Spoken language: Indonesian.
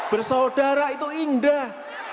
bersaudara itu indah